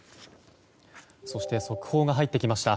そして、速報が入ってきました。